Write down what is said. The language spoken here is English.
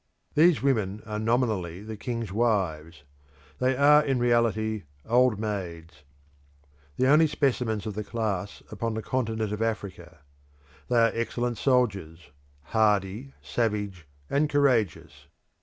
These women are nominally the king's wives; they are in reality old maids the only specimens of the class upon the continent of Africa; they are excellent soldiers hardy, savage, and courageous.